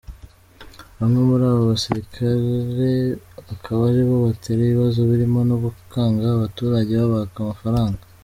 Bamwe muri aba basirikare akaba aribo batera ibibazo birimo no gukanga abaturage babaka amafaranga.